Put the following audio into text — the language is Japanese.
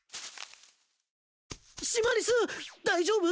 シマリス大丈夫？